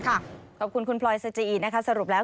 ขอบคุณคุณพลอยสจีอีนะคะสรุปแล้ว